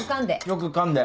よく噛んで。